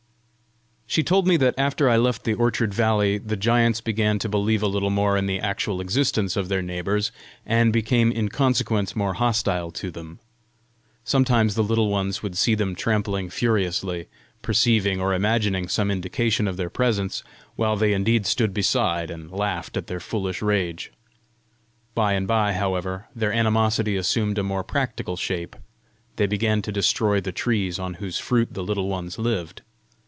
She told me that after I left the orchard valley, the giants began to believe a little more in the actual existence of their neighbours, and became in consequence more hostile to them. Sometimes the Little Ones would see them trampling furiously, perceiving or imagining some indication of their presence, while they indeed stood beside, and laughed at their foolish rage. By and by, however, their animosity assumed a more practical shape: they began to destroy the trees on whose fruit the Little Ones lived.